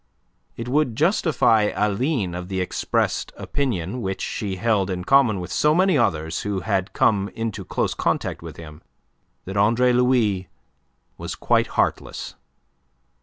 It would justify Aline of the expressed opinion, which she held in common with so many others who had come into close contact with him, that Andre Louis was quite heartless.